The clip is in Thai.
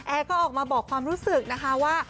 ก็ออกมาบอกความรู้สึกนะคะว่า